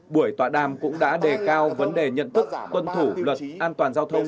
buổi tọa đàm cũng đã đề cao vấn đề nhận thức tuân thủ luật an toàn giao thông